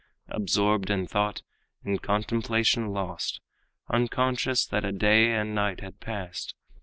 Absorbed in thought, in contemplation lost, Unconscious that a day and night had passed.